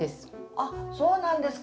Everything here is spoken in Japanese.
あっそうなんですか。